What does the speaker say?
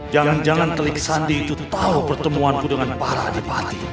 jangan jangan atli sandi itu tahu pertemuanku dengan pak wanpati